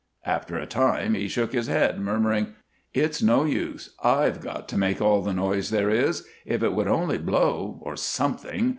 After a time he shook his head, murmuring: "It's no use. I've got to make all the noise there is. If it would only blow or something.